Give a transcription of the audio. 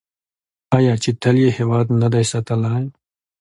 آیا چې تل یې هیواد نه دی ساتلی؟